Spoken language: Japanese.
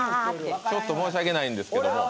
ちょっと申し訳ないんですけども。